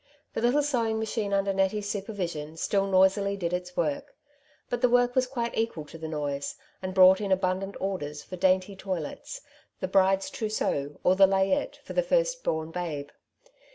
The little sew ing machine under Nettie^s supervision still noisily did its work ; but the work was quite equal to the noise, and brought in abundant orders for dainty toilets, the bride's trousseau or the layette for the first bom babe.